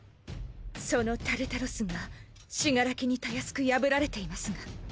そのタルタロスが死柄木に容易く破られていますが。